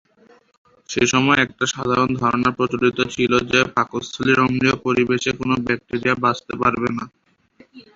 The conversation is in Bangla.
সেসময় একটা সাধারণ ধারণা প্রচলিত ছিলো যে পাকস্থলীর অম্লীয় পরিবেশে কোনো ব্যাক্টেরিয়া বাঁচতে পারবে না।